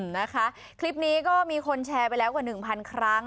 นะคะคลิปนี้ก็มีคนแชร์ไปแล้วกว่าหนึ่งพันครั้ง